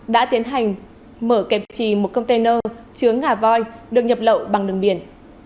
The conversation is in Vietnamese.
đã tiến hành mở kẹp trì một container chướng ngả voi được nhập lậu bằng đường biển